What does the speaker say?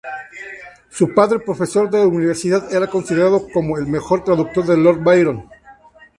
Su padre, profesor de universidad, era considerado como el mejor traductor de Lord Byron.